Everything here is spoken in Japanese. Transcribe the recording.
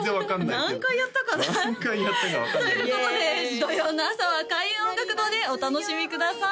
何回やったか分かんないということで土曜の朝は開運音楽堂でお楽しみください